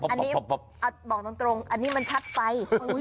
อันนี้บอกตรงอันนี้มันชัดไฟ